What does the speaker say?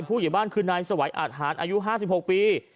เหยียบ้านคือนายสวัยอาทหารอายุ๕๖ปี